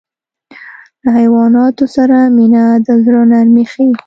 له حیواناتو سره مینه د زړه نرمي ښيي.